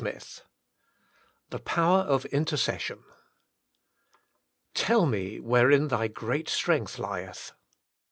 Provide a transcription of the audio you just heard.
XXXY , THE POWER OF INTERCESSION" "Tell me wherein thy great strength lieth."